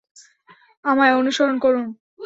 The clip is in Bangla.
আমায় অনুসরণ করো।